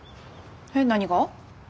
えっ何が？